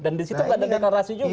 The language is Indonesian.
dan disitu nggak ada deklarasi juga